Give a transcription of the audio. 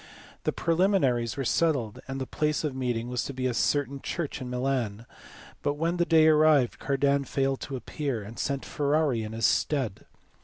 The pre liminaries were settled, and the place of meeting was to be a certain church in Milan, but when the day arrived Cardan failed to appear, and sent Ferrari in his stead.